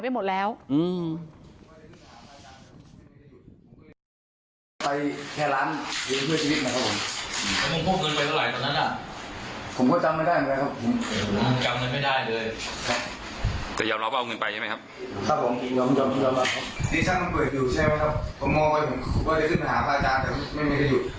แต่มันไม่ได้อยู่ผมก็เลยเห็นเห็นว่าผมก็หยิบเงินกับมีดอยู่บนโต๊ะครับ